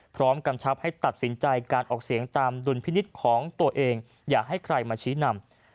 กำชับให้ตัดสินใจการออกเสียงตามดุลพินิษฐ์ของตัวเองอย่าให้ใครมาชี้นำ